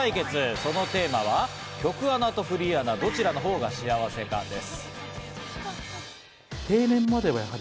そのテーマは局アナとフリーアナ、どちらの方が幸せか？です。